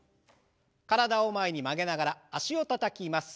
体を前に曲げながら脚をたたきます。